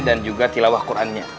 dan juga tilawah qurannya